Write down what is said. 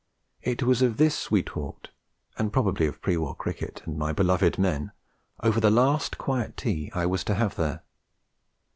It was of this we talked, and probably of pre war cricket, and my beloved men, over the last quiet tea I was to have there.